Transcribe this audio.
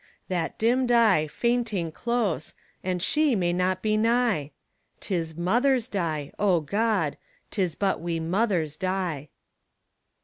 That dimmed eye, fainting close And she may not be nigh! 'Tis mothers die O God! 'Tis but we mothers die.